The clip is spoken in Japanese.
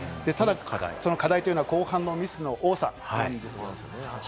課題というのは、後半のミスの多さなんです。